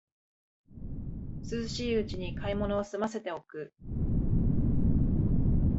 涼しいうちに買い物をすませておく